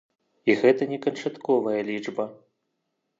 І гэта не канчатковая лічба.